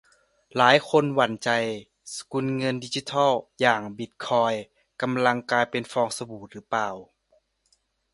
หลายคนหวั่นใจ สกุลเงินดิจิทัลอย่างบิตคอยน์กำลังจะกลายเป็นฟองสบู่หรือเปล่า